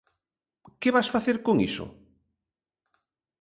Que vas facer con iso?